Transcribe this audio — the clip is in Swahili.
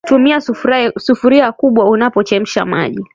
Tumia sufuria kubwa unapochemsha maji